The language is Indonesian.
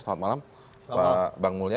selamat malam bang mulya